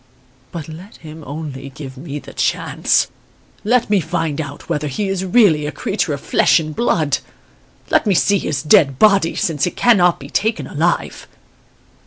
But let him only give me the chance! Let me find out whether he is really a creature of flesh and blood! Let me see his dead body, since it cannot be taken alive.